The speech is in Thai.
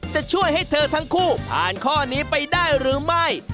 จะช่วยให้เธอทั้งคู่ผ่านข้อนี้ไปได้หรือไม่